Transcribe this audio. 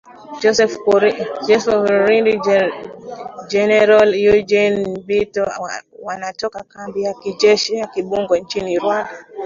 Joseph Rurindo na Jenerali Eugene Nkubito wanatoka kambi ya kijeshi ya Kibungo nchini Rwanda.